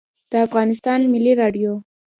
د افغانستان ملی رادیو